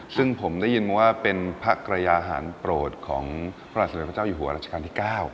ซึ่งผมได้ยินมาว่าเป็นพระกระยาหารโปรดของพระบาทสมเด็จพระเจ้าอยู่หัวรัชกาลที่๙